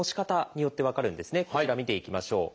こちら見ていきましょう。